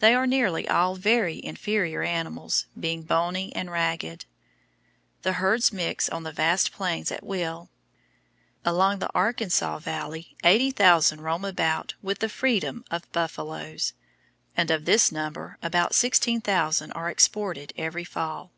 They are nearly all very inferior animals, being bony and ragged. The herds mix on the vast plains at will; along the Arkansas valley 80,000 roam about with the freedom of buffaloes, and of this number about 16,000 are exported every fall.